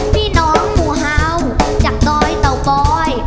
พี่น้องหมู่เห่าจากดอยเตากอย